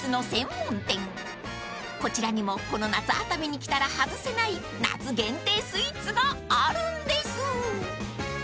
［こちらにもこの夏熱海に来たら外せない夏限定スイーツがあるんです］